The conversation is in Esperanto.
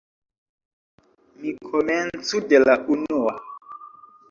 Mi komencu de la unua.